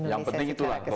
yang penting itulah